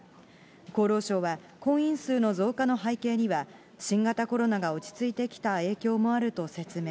厚労省は婚姻数の増加の背景には、新型コロナが落ち着いてきた影響もあると説明。